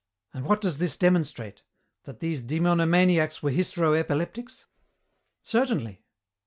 And what does this demonstrate, that these demonomaniacs were hystero epileptics? Certainly.